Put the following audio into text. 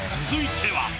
続いては。